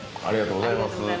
ありがとうございます。